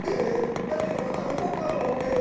だって僕紙コップ持ってるのに。